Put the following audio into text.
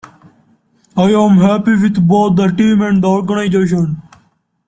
I am happy with both the team and the organization.